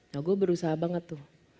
nah gue berusaha banget tuh